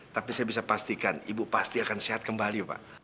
tapi saya bisa pastikan ibu pasti akan sehat kembali pak